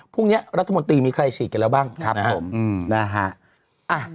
พรุ่งนี้รัฐมนตรีมีใครฉีดกันแล้วบ้างครับผมนะฮะ